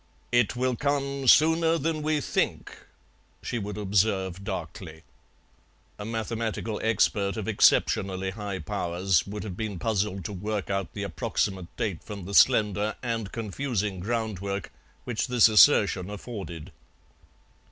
"It will come sooner than we think," she would observe darkly; a mathematical expert of exceptionally high powers would have been puzzled to work out the approximate date from the slender and confusing groundwork which this assertion afforded.